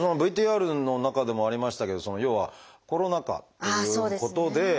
あとＶＴＲの中でもありましたけど要はコロナ禍ということで。